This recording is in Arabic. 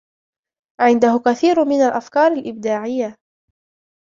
عنده كثيرٌ من الأفكار الإبداعية.